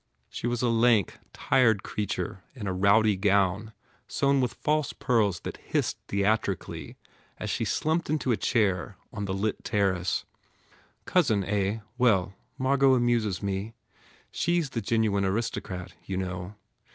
She was a lank, tired creature in a rowdy gown sewn with false pearls that hissed theatrically as she slumped into a chair on the lit terrace. "Cousin, eh? Well, Margot amuses me. She s the genuine aristocrat, you know?